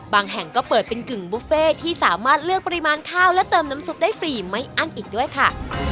แห่งก็เปิดเป็นกึ่งบุฟเฟ่ที่สามารถเลือกปริมาณข้าวและเติมน้ำซุปได้ฟรีไม่อั้นอีกด้วยค่ะ